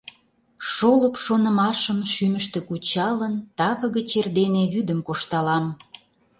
Шолып шонымашым шӱмыштӧ кучалын, Таве гыч эрдене вӱдым кошталам.